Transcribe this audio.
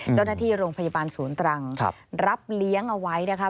เจ้าหน้าที่โรงพยาบาลศูนย์ตรังรับเลี้ยงเอาไว้นะคะ